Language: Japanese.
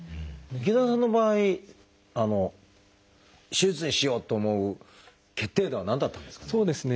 池田さんの場合手術にしようと思う決定打は何だったんですかね？